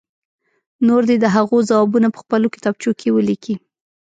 نور دې د هغو ځوابونه په خپلو کتابچو کې ولیکي.